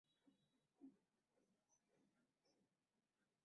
একটুও গায়ে লাগায় না।